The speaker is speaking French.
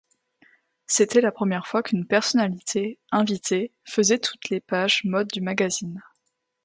C'était la première fois qu'une personnalité invitée faisait toutes les pages mode du magazine.